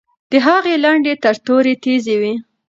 د هغې لنډۍ تر تورې تیزې وې.